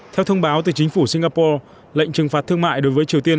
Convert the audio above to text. theo thông báo từ chính phủ singapore lệnh trừng phạt thương mại đối với triều tiên